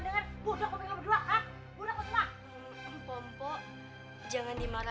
kan denger memang inicer